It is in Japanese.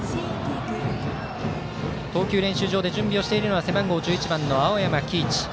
投球練習場で準備をしているのは背番号１１番の青山輝市。